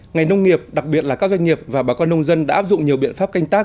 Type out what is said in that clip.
ngành nông nghiệp đặc biệt là các doanh nghiệp và bà con nông dân đã áp dụng nhiều biện pháp canh tác